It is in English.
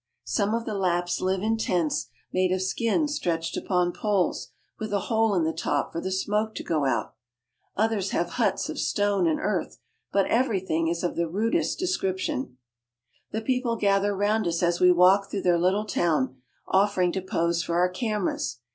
Some of the Lapps live in tents made of skins stretched upon poles, with a hole in the top for the smoke to go out. Others have huts of stone and earth, but everything is of the rudest description. "— everything is of the rudest description." The people gather round us as we walk through their little town, offering to pose for our cameras.